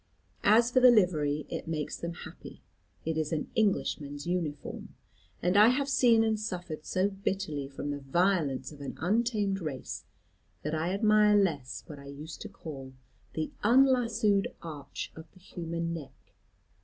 As for the livery, it makes them happy: it is an Englishman's uniform. And I have seen and suffered so bitterly from the violence of an untamed race, that I admire less what I used to call the unlassoed arch of the human neck.